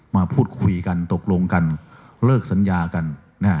มาพูดคุยกันตกลงกันเลิกสัญญากันนะฮะ